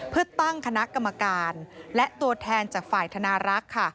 เพื่อตั้งคณะกรรมการและตัวแทนจากฝ่ายธนารักษ์ค่ะ